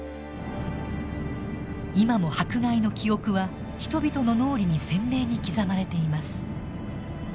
今も迫害の記憶は人々の脳裏に鮮明に刻まれています。